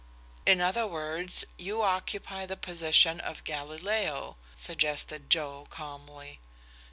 "In other words, you occupy the position of Galileo," suggested Joe, calmly.